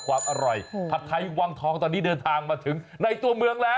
ความอร่อยผัดไทยวังทองตอนนี้เดินทางมาถึงในตัวเมืองแล้ว